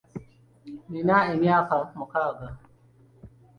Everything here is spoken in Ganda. Nnina emyaka mukaaga.